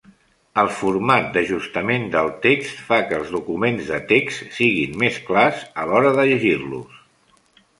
El format d'ajustament del text fa que els documents de text siguin més clars a l'hora de llegir-los.